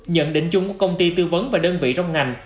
nhận định chung của công ty tư vấn và đơn vị trong ngành